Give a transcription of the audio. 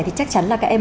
thì chắc chắn là các em